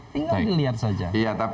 tinggal dilihat saja